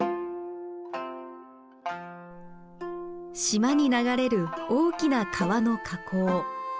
島に流れる大きな川の河口。